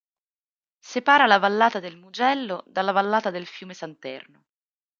Separa la vallata del Mugello dalla vallata del fiume Santerno.